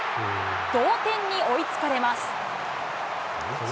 同点に追いつかれます。